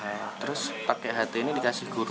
nah terus pakai ht ini dikasih guru